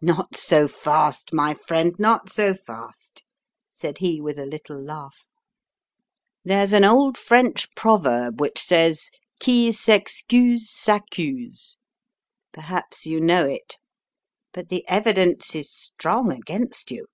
"Not so fast, my friend, not so fast," said he with a little laugh. "There's an old French proverb which says qui s' excuse, s 9 accuse. Perhaps you know it. But the evidence is strong against you.